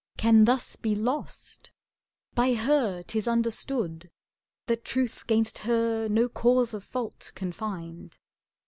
Can thus be lost; by her 'tis understood That truth 'gainst her no cause of fault can find.